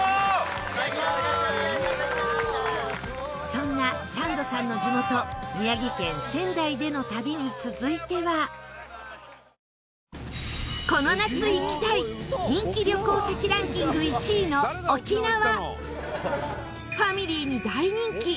そんな、サンドさんの地元宮城県、仙台での旅に続いてはこの夏行きたい、人気旅行先ランキング１位の沖縄ファミリーに大人気。